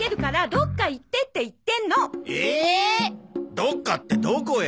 どっかってどこへ？